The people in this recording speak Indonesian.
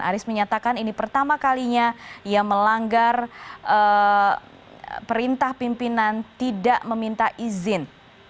aris menyatakan ini pertama kalinya ia melanggar perintah pimpinan tidak meminta izin